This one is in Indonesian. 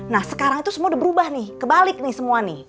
nah sekarang itu semua udah berubah nih kebalik nih semua nih